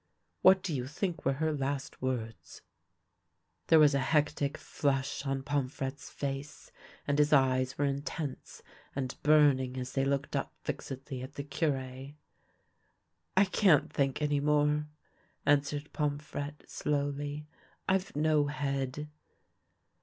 What do you think were her last words ?" There was a hectic flush on Pomfrette's face, and his eyes were intense and burning as they looked up fixedly at the Cure. " I can't think any more," answered Pomfrette, slowly. " I've no head."